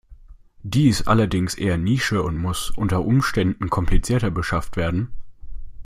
Die ist allerdings eher Nische und muss unter Umständen komplizierter beschafft werden.